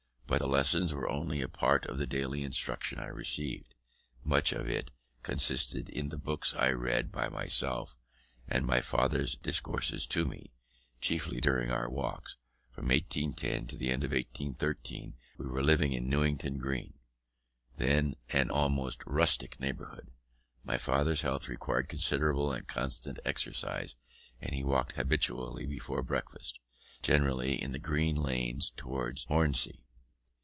But the lessons were only a part of the daily instruction I received. Much of it consisted in the books I read by myself, and my father's discourses to me, chiefly during our walks. From 1810 to the end of 1813 we were living in Newington Green, then an almost rustic neighbourhood. My father's health required considerable and constant exercise, and he walked habitually before breakfast, generally in the green lanes towards Hornsey.